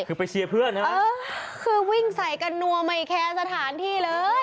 คือไปเชียร์เพื่อนนะครับคือวิ่งใส่กันนัวไม่แคร์สถานที่เลย